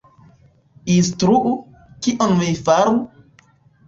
Instruu, kion mi faru?